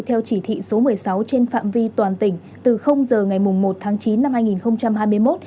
theo chỉ thị số một mươi sáu trên phạm vi toàn tỉnh từ giờ ngày một tháng chín năm hai nghìn hai mươi một